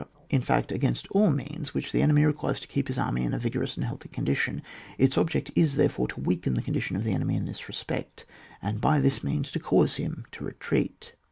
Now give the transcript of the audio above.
in fact, against all the means which the enemy requires to keep his army in a vigorous and healthy condition; its object is, therefore, to weaken the condition of the enemy in this respect, and by this means to cause him to retreat.